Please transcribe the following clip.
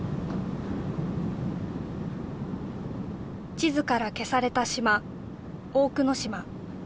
地図から消された島大久野島